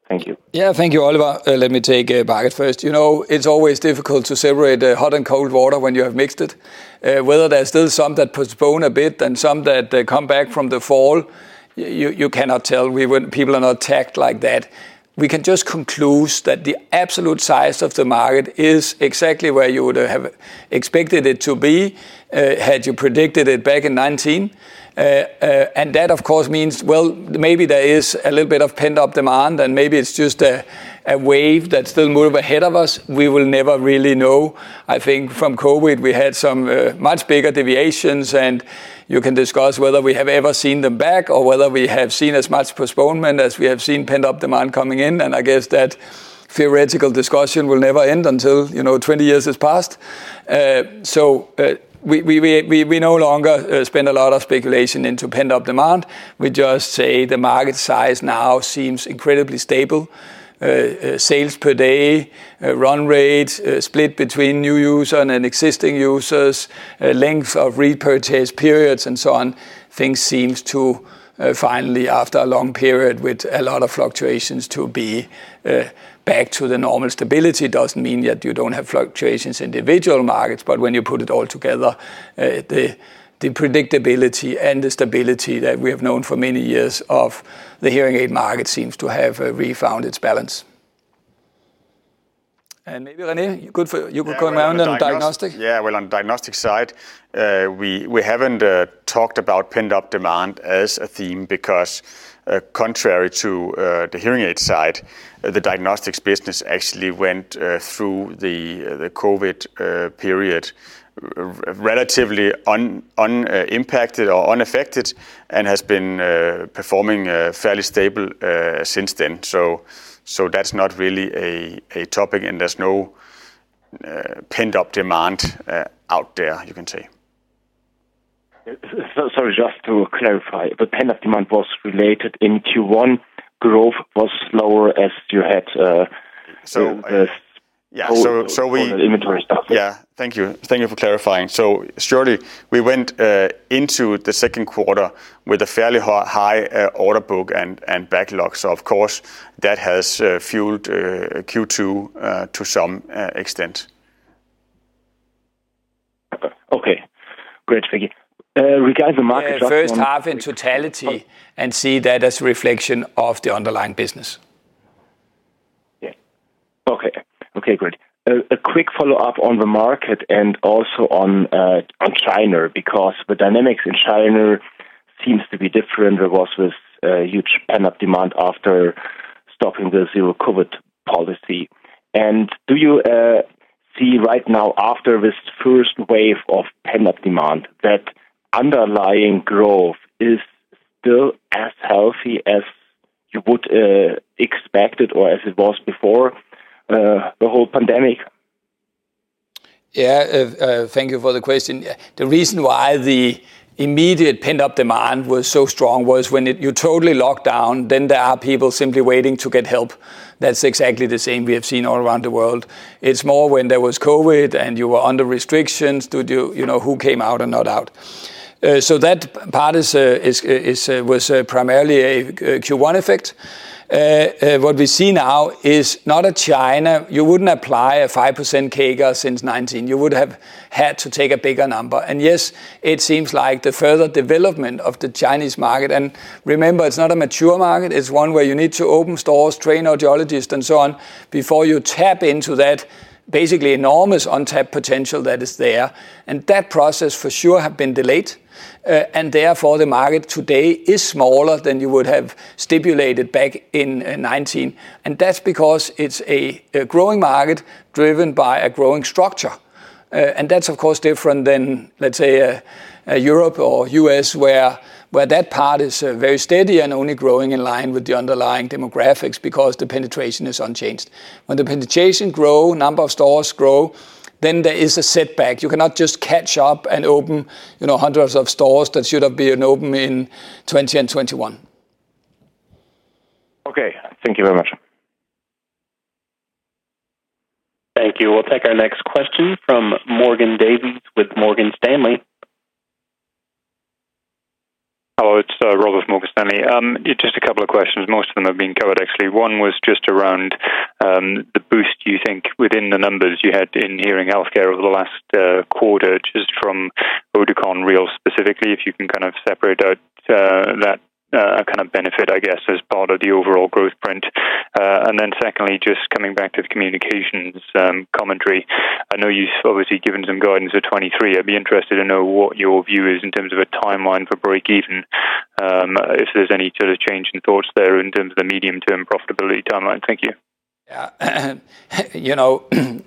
Thank you. Yeah, thank you, Oliver. Let me take market first. You know, it's always difficult to separate the hot and cold water when you have mixed it. Whether there's still some that postpone a bit and some that come back from the fall, you cannot tell. People are not tagged like that. We can just conclude that the absolute size of the market is exactly where you would have expected it to be, had you predicted it back in 19. That of course means, well, maybe there is a little bit of pent-up demand, and maybe it's just a wave that still move ahead of us. We will never really know. I think from COVID, we had some, much bigger deviations, and you can discuss whether we have ever seen them back or whether we have seen as much postponement as we have seen pent-up demand coming in, and I guess that theoretical discussion will never end until, you know, 20 years has passed. We no longer spend a lot of speculation into pent-up demand. We just say the market size now seems incredibly stable. Sales per day, run rate, split between new user and then existing users, length of repurchase periods, and so on, things seems to, finally, after a long period with a lot of fluctuations, to be, back to the normal stability. Doesn't mean that you don't have fluctuations in individual markets, but when you put it all together, the predictability and the stability that we have known for many years of the hearing aid market seems to have refound its balance. Maybe, René, you could go around on the diagnostic. Yeah, well, on the diagnostic side, we, we haven't talked about pent-up demand as a theme because, contrary to the hearing aid side, the diagnostics business actually went through the COVID period relatively un- un- impacted or unaffected, and has been performing fairly stable since then. That's not really a, a topic, and there's no pent-up demand out there, you can say. Just to clarify, the pent-up demand was related in Q1, growth was slower as you had? Yeah. Inventory stuff. Yeah. Thank you. Thank you for clarifying. Surely, we went into the second quarter with a fairly high order book and backlog. Of course, that has fueled Q2 to some extent. Okay. Great. Thank you. regarding the market- First half in totality, and see that as a reflection of the underlying business. Yeah. Okay, okay, great. A quick follow-up on the market and also on China, because the dynamics in China seems to be different. There was this huge pent-up demand after stopping the zero-COVID policy. Do you see right now, after this first wave of pent-up demand, that underlying growth is still as healthy as you would expect it or as it was before the whole pandemic? Yeah, thank you for the question. The reason why the immediate pent-up demand was so strong was when you totally lock down, then there are people simply waiting to get help. That's exactly the same we have seen all around the world. It's more when there was COVID, and you were under restrictions to do, you know, who came out and not out. That part is, is, was primarily a Q1 effect. What we see now is not a China. You wouldn't apply a 5% CAGR since 2019. You would have had to take a bigger number. Yes, it seems like the further development of the Chinese market, and remember, it's not a mature market, it's one where you need to open stores, train audiologists, and so on, before you tap into that basically enormous untapped potential that is there. That process, for sure, have been delayed, and therefore, the market today is smaller than you would have stipulated back in 2019. That's because it's a growing market driven by a growing structure. And that's, of course, different than, let's say, a Europe or US, where, where that part is very steady and only growing in line with the underlying demographics because the penetration is unchanged. When the penetration grow, number of stores grow, then there is a setback. You cannot just catch up and open, you know, hundreds of stores that should have been open in 2020 and 2021. Okay, thank you very much. Thank you. We'll take our next question from Robert Davies with Morgan Stanley. Hello, it's Rob with Morgan Stanley. Just a couple of questions. Most of them have been covered, actually. One was just around the boost you think within the numbers you had in hearing healthcare over the last quarter, just from Oticon Real, specifically, if you can kind of separate out that kind of benefit, I guess, as part of the overall growth print. Secondly, just coming back to the communications commentary. I know you've obviously given some guidance for 2023. I'd be interested to know what your view is in terms of a timeline for break even, if there's any sort of change in thoughts there in terms of the medium-term profitability timeline. Thank you. Yeah. You know,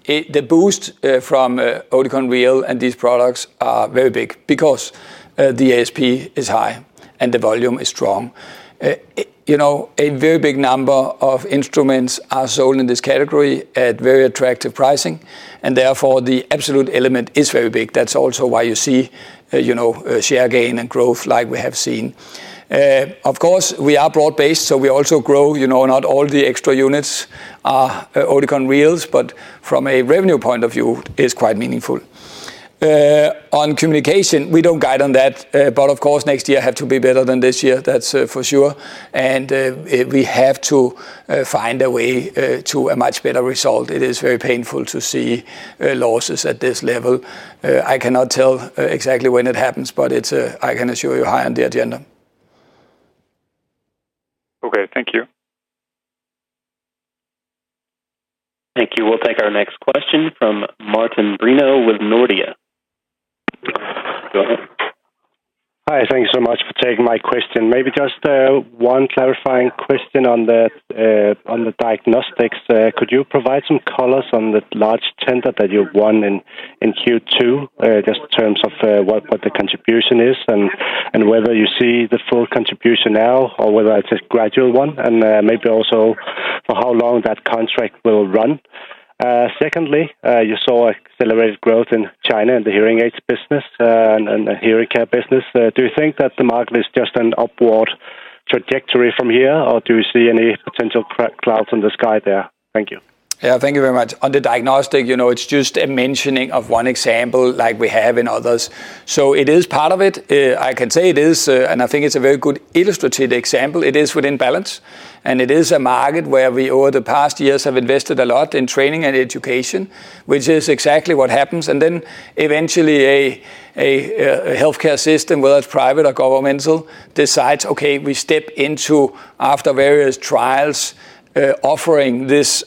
it-- the boost from Oticon Real and these products are very big because the ASP is high, and the volume is strong. You know, a very big number of instruments are sold in this category at very attractive pricing, and therefore, the absolute element is very big. That's also why you see, you know, share gain and growth like we have seen. Of course, we are broad-based, so we also grow, you know, not all the extra units are Oticon Real, but from a revenue point of view, it's quite meaningful. On communication, we don't guide on that, but of course, next year have to be better than this year. That's for sure. We have to find a way to a much better result. It is very painful to see losses at this level. I cannot tell exactly when it happens, but it's, I can assure you, high on the agenda. Okay, thank you. Thank you. We'll take our next question from Martin Brenøe with Nordea. Go ahead. Hi, thank you so much for taking my question. Maybe just one clarifying question on the diagnostics. Could you provide some colors on the large tender that you've won in Q2, just in terms of what, what the contribution is and, and whether you see the full contribution now, or whether it's a gradual one, and maybe also for how long that contract will run? Secondly, you saw accelerated growth in China in the hearing aids business, and, and the hearing care business. Do you think that the market is just an upward trajectory from here, or do you see any potential clouds in the sky there? Thank you. Yeah, thank you very much. On the diagnostic, you know, it's just a mentioning of one example like we have in others. It is part of it. I can say it is, and I think it's a very good illustrative example. It is within balance, and it is a market where we, over the past years, have invested a lot in training and education, which is exactly what happens. Eventually, a healthcare system, whether it's private or governmental, decides, "Okay, we step into after various trials, offering this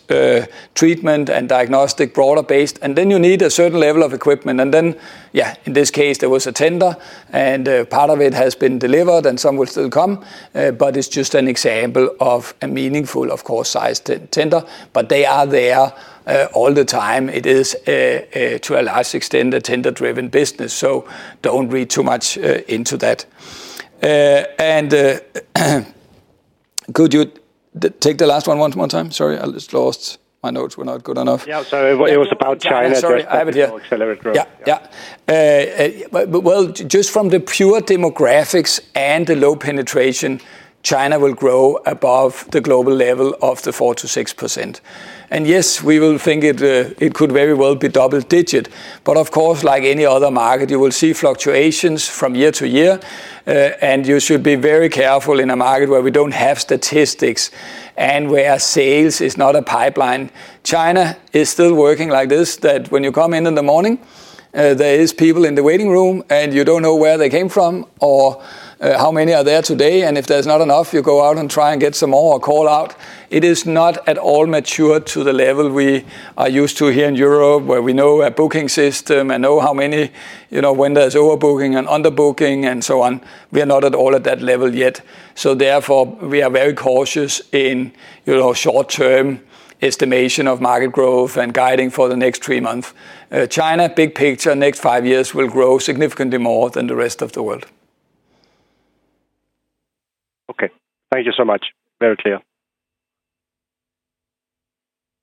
treatment and diagnostic, broader-based." You need a certain level of equipment. Yeah, in this case, there was a tender, and part of it has been delivered and some will still come, but it's just an example of a meaningful, of course, sized tender. They are there, all the time. It is a to a large extent, a tender-driven business, so don't read too much into that. Could you take the last one, one more time? Sorry, I just lost... My notes were not good enough. Yeah, sorry, it was about China. Yeah, sorry. Accelerated growth. Yeah, yeah. Well, just from the pure demographics and the low penetration, China will grow above the global level of the 4%-6%. Yes, we will think it could very well be double-digit. Of course, like any other market, you will see fluctuations from year-to-year, and you should be very careful in a market where we don't have statistics and where sales is not a pipeline. China is still working like this, that when you come in in the morning, there is people in the waiting room, and you don't know where they came from or how many are there today, and if there's not enough, you go out and try and get some more or call out. It is not at all mature to the level we are used to here in Europe, where we know a booking system and know how many, you know, when there's overbooking and underbooking and so on. We are not at all at that level yet. Therefore, we are very cautious in, you know, short-term estimation of market growth and guiding for the next three months. China, big picture, next five years will grow significantly more than the rest of the world. Okay. Thank you so much. Very clear.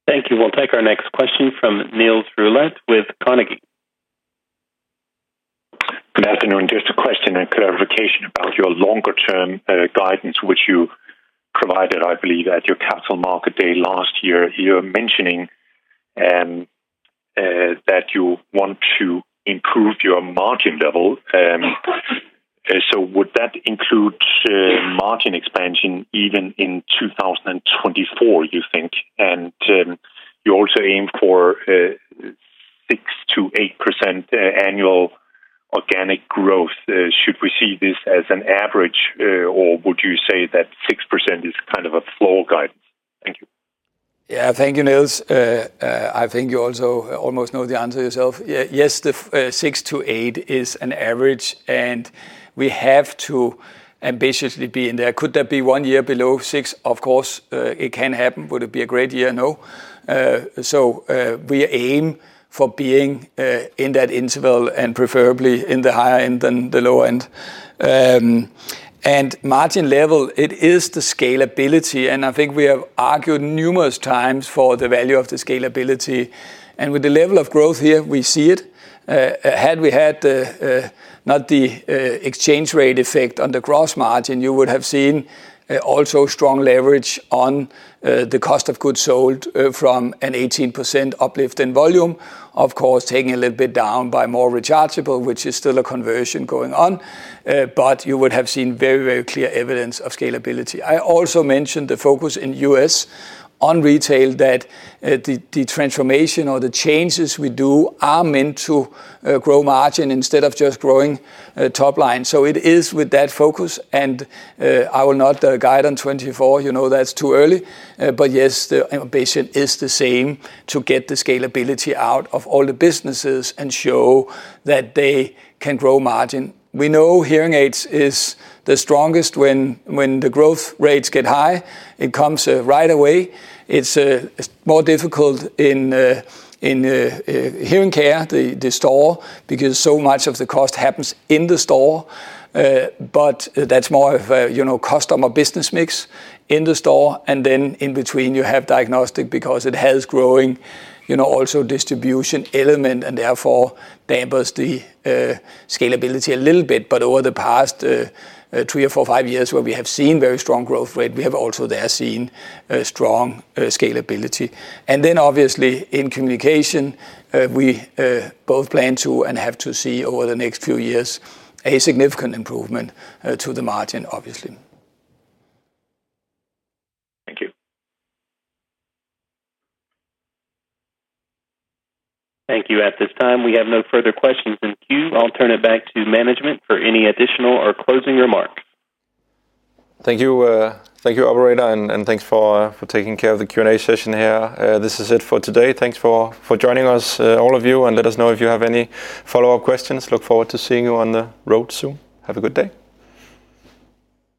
Thank you. We'll take our next question from Niels Granholm-Leth with Carnegie. Good afternoon. Just a question and clarification about your longer term guidance, which you provided, I believe, at your capital market day last year. You're mentioning that you want to improve your margin level. Would that include margin expansion even in 2024, you think? You also aim for 6%-8% annual organic growth. Should we see this as an average, or would you say that 6% is kind of a floor guidance? Thank you. Thank you, Niels. I think you also almost know the answer yourself. The six to eight is an average, and we have to ambitiously be in there. Could there be one year below six? Of course, it can happen. Would it be a great year? No. We aim for being in that interval and preferably in the higher end than the lower end. Margin level, it is the scalability, and I think we have argued numerous times for the value of the scalability. With the level of growth here, we see it. Had we had the not the exchange rate effect on the gross margin, you would have seen also strong leverage on the cost of goods sold from an 18% uplift in volume. Taking a little bit down by more rechargeable, which is still a conversion going on, but you would have seen very, very clear evidence of scalability. I also mentioned the focus in US on retail, that the, the transformation or the changes we do are meant to grow margin instead of just growing top line. It is with that focus, and I will not guide on 2024, you know, that's too early. Yes, the ambition is the same, to get the scalability out of all the businesses and show that they can grow margin. We know hearing aids is the strongest when, when the growth rates get high, it comes right away. It's, it's more difficult in in hearing care, the, the store, because so much of the cost happens in the store. That's more of a, you know, customer business mix in the store, and then in between you have diagnostic because it has growing, you know, also distribution element, and therefore, dampers the scalability a little bit. Over the past, three or four, five years, where we have seen very strong growth rate, we have also there seen a strong scalability. Then obviously in communication, we both plan to and have to see over the next few years, a significant improvement to the margin, obviously. Thank you. Thank you. At this time, we have no further questions in queue. I'll turn it back to management for any additional or closing remarks. Thank you, thank you, operator, and thanks for taking care of the Q&A session here. This is it for today. Thanks for joining us, all of you, and let us know if you have any follow-up questions. Look forward to seeing you on the road soon. Have a good day.